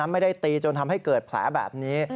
ไม่ได้ตีจนทำให้เกิดแผลแบบนี้